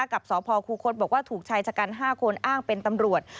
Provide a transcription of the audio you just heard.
กับสพคูคศบอกว่าถูกชายชะกัน๕คนอ้างเป็นตำรวจ